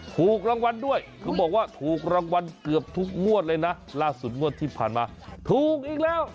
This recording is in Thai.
ถูกรางวัลด้วยคือบอกว่าถูกรางวัลเกือบทุกงวดเลยนะล่าสุดงวดที่ผ่านมาถูกอีกแล้ว